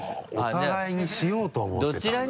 お互いにしようと思ってたんだな